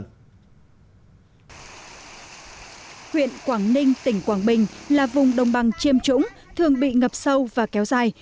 huyện quảng ninh tỉnh quảng bình là vùng đồng bằng chiêm trũng thường bị ngập sâu và kéo dài